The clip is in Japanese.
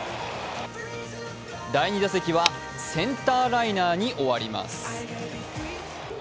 第２打席はセンターライナーに終わります。